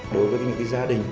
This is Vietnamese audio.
đối với những gia đình